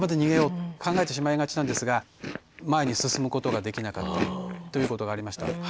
考えてしまいがちなんですが前に進むことができなかったりということがありました。